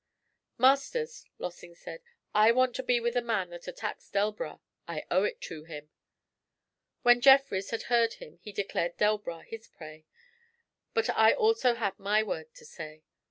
'Masters,' Lossing said, 'I want to be with the man that attacks Delbras. I owe it to him.' When Jeffrys had heard him he declared Delbras his prey. But I also had my word to say.